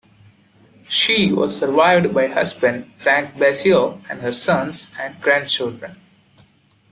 She was survived by husband Frank Basile and her sons and grandchildren.